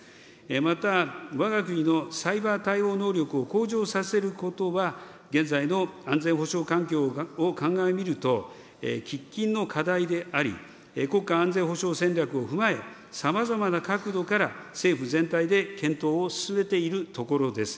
また、わが国のサイバー対応能力を向上させることは、現在の安全保障環境を鑑みると、喫緊の課題であり、国家安全保障戦略を踏まえ、さまざまな角度から政府全体で検討を進めているところです。